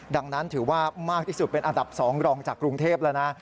ดังนั้นถือว่ามากที่สุดเป็นอันดับ๒รองจากกรุงเทพแล้วนะ